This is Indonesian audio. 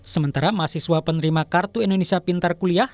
sementara mahasiswa penerima kartu indonesia pintar kuliah